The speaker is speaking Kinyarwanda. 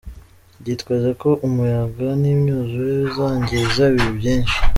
Byitezwe ko umuyaga n'imyuzure bizangiza ibintu byinshi.